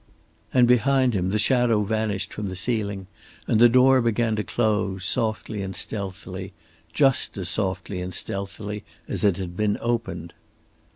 And behind him the shadow vanished from the ceiling and the door began to close, softly and stealthily, just as softly and stealthily as it had been opened.